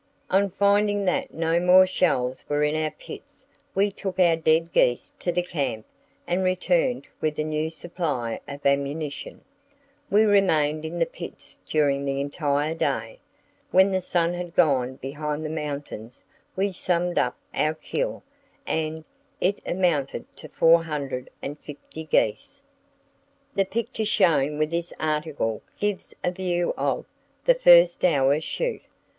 "On finding that no more shells were in our pits we took our dead geese to the camp and returned with a new supply of ammunition. We remained in the pits during the entire day. When the sun had gone behind the mountains we summed up our kill and it amounted to 450 geese! [Page 149] "The picture shown with this article gives a view of the first hour's shoot.